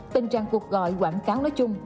tình trạng cuộc gọi quảng cáo nói chung